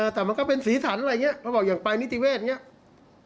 แต่มันก็เป็นสีสันอะไรอย่างนี้เขาบอกอย่างไปนิติเวศอย่างนี้